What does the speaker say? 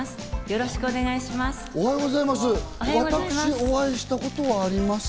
よろしくお願いします。